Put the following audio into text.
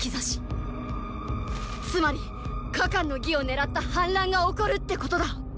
つまり「加冠の儀」を狙った反乱が起こるってことだ！